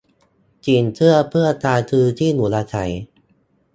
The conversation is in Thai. สินเชื่อเพื่อการซื้อที่อยู่อาศัย